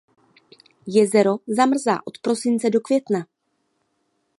Jezero zamrzá od prosince do května.